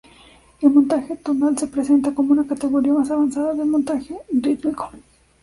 El montaje tonal se presenta como una categoría más avanzada de el montaje rítmico.